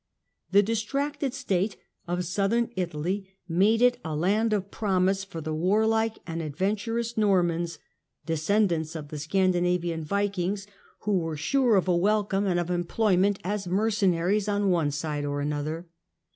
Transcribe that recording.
The distracted state of Southern Italy made it a land of promise for the warlike and adventu rous Normans, descendants of the Scandinavian Vikings, 36 THE CENTRAL PERIOD OF THE MIDDLE AGE who were sure of a welcome and of employment as mer cenaries on one side or another.